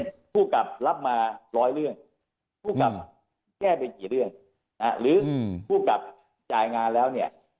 ผู้กลับรับมาร้อยเรื่องผู้กลับแก้ไปกี่เรื่องหรือผู้กลับจ่ายงานแล้วเนี่ย